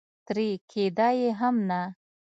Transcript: ترې کېده یې هم نه.